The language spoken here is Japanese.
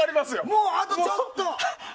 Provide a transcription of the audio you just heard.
もうあとちょっと！